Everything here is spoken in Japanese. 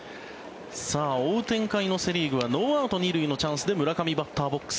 追う展開のセ・リーグはノーアウト２塁のチャンスで村上、バッターボックス。